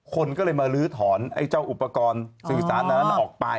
คนก็เลยมาลื้อถอนไอ้เจ้าอุปกรณ์สื่อสารนั้นออกไป